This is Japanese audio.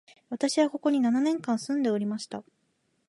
私は、ここに約七年間住んでおりました